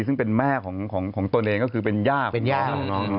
ซึ่งเป็นแม่ของตนเองก็คือเป็นย่าเป็นย่าของน้อง